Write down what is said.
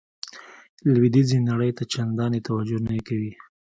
لویدیځې نړۍ ته چندانې توجه نه کوي.